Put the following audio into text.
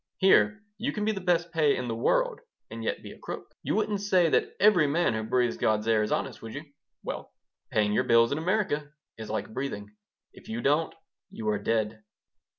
Here you can be the best pay in the world and yet be a crook. You wouldn't say that every man who breathes God's air is honest, would you? Well, paying your bills in America is like breathing. If you don't, you are dead."